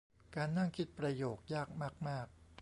การนั่งคิดประโยคยากมากมาก